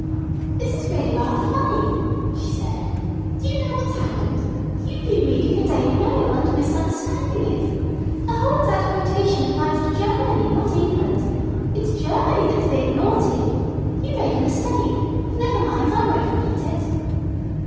"This is really rather funny," she said. "Do you know what's happened? You've been reading the Daily Mail and misunderstanding it. The whole of that quotation applied to Germany, not England. It's Germany that's being naughty. You made a mistake, but never mind, I won't repeat it."